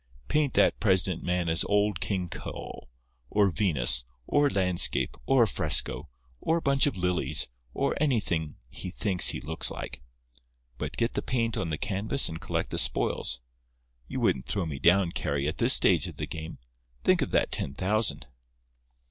Paint that president man as Old King Cole, or Venus, or a landscape, or a fresco, or a bunch of lilies, or anything he thinks he looks like. But get the paint on the canvas and collect the spoils. You wouldn't throw me down, Carry, at this stage of the game. Think of that ten thousand."